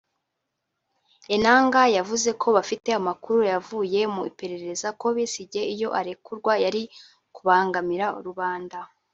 Enanga yavuze ko bafite amakuru yavuye mu ipererza ko Besigye iyo arekurwa yari kubangamira rubanda